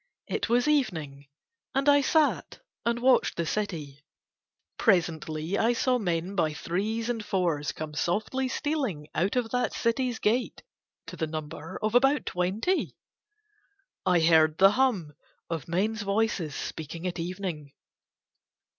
It was evening, and I sat and watched the city. Presently I saw men by threes and fours come softly stealing out of that city's gate to the number of about twenty. I heard the hum of men's voices speaking at evening.